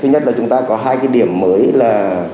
thứ nhất là chúng ta có hai cái điểm mới là